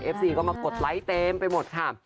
ซีก็มากดไลค์เต็มไปหมดค่ะ